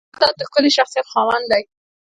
جانداد د ښکلي شخصیت خاوند دی.